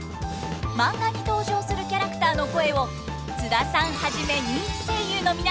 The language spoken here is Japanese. マンガに登場するキャラクターの声を津田さんはじめ人気声優の皆さんが演じます！